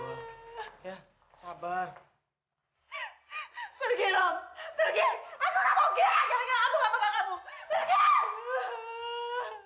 aku gak mau pergi lagi dengan aku sama kamu